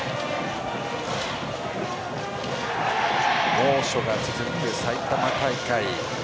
猛暑が続く埼玉大会。